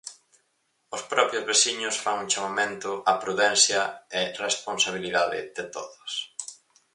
Os propios veciños fan un chamamento á prudencia e responsabilidade de todos.